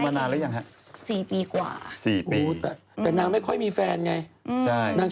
วันที่พี่มดแซวพี่เมนแหละ